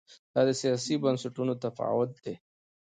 دا د سیاسي بنسټونو تفاوت دی.